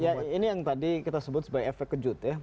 ya ini yang tadi kita sebut sebagai efek kejut ya